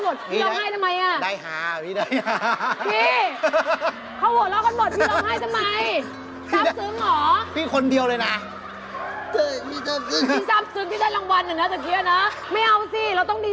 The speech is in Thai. โอ้โฮแค่กินอาหารญี่ปุ่นถ้าน่าขนาดนี้เลยพี่